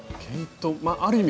ある意味